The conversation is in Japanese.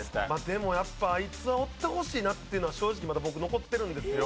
でもやっぱあいつはおってほしいなっていうのは正直まだ僕残ってるんですよ。